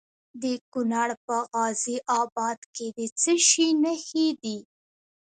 د کونړ په غازي اباد کې د څه شي نښې دي؟